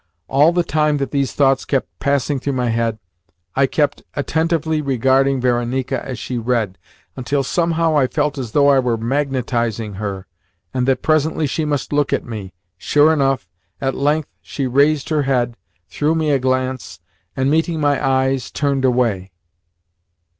All the time that these thoughts kept passing through my head I kept attentively regarding Varenika as she read, until somehow I felt as though I were magnetising her, and that presently she must look at me. Sure enough, at length she raised her head, threw me a glance, and, meeting my eyes, turned away.